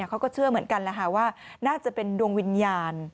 เขาก็เชื่อเหมือนกันว่าน่าจะเป็นดวงวิญญาณ